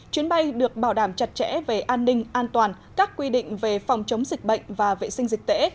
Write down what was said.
chuyến bay được bảo đảm chặt chẽ về an ninh an toàn các quy định về phòng chống dịch bệnh và vệ sinh dịch tễ